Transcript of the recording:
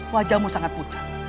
wajahmu sangat pucat